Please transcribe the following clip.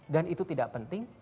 dan itu tidak penting